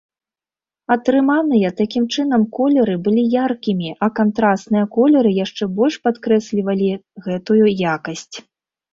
Атрыманыя такім чынам колеры былі яркімі, а кантрасныя колеры яшчэ больш падкрэслівалі гэтую якасць.